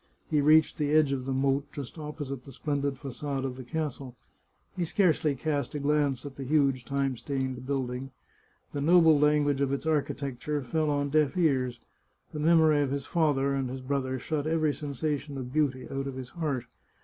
He reached the edge of the moat, just opposite the splendid facade of the castle. He scarcely cast a glance at the huge time stained building. The noble language of its architecture fell on deaf ears ; the memory of his father and his brother shut every sensation of beauty out of his heart.